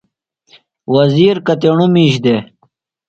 وزیر کتیݨُوۡ مِیش دےۡ؟